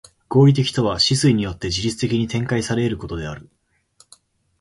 合理的とは思惟によって自律的に展開され得ることである。